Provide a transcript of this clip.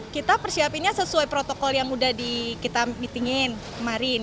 kita persiapinnya sesuai protokol yang sudah kita meeting in kemarin